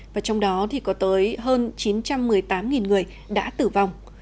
và trong đó thì có tới hơn chín trăm một mươi tám người đã tử vong